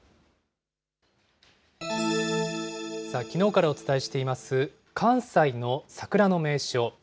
きのうからお伝えしています、関西の桜の名所。